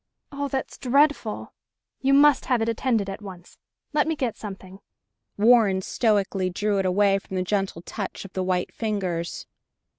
"Oh, that's dreadful. You must have it attended at once. Let me get something." Warren stoically drew it away from the gentle touch of the white fingers.